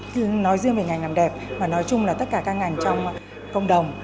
nói riêng về ngành làm đẹp mà nói chung là tất cả các ngành trong cộng đồng